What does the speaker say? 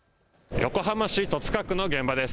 横浜市戸塚区の現場です。